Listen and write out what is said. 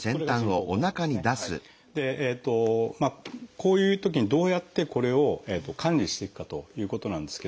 こういうときにどうやってこれを管理していくかということなんですけども。